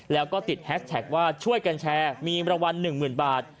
แล้วก็ติดแฮชแท็กว่าช่วยกันแชร์มีรวรรณหนึ่งหมื่นบาท